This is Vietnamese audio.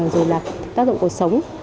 rồi là tác động cột sống